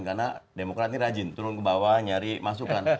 karena demokrat ini rajin turun ke bawah nyari masukan